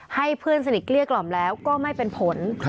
เพื่อนสนิทเกลี้ยกล่อมแล้วก็ไม่เป็นผล